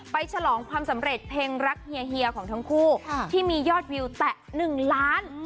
ไปฉลองความสำเร็จเพลงรักเฮียเฮียของทั้งคู่ค่ะที่มียอดวิวแต่หนึ่งล้าน